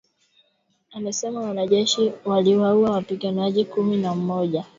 Amesema wanajeshi waliwaua wapiganaji kumi na mmoja wa ADF jana Jumanne